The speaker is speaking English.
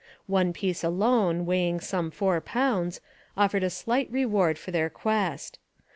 One piece alone, weighing some four pounds, offered a slight reward for their quest.